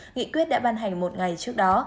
nghị quyết đã ban hành một ngày trước đó